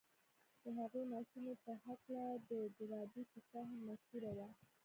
د هغې ماشومې په هکله د ډاربي کيسه هم مشهوره ده.